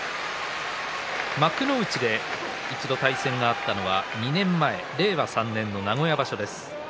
幕内で一度対戦があったのは２年前、令和３年、名古屋場所です。